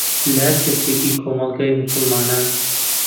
لە هەر کەسێکی کۆمەڵگەی موسڵمانان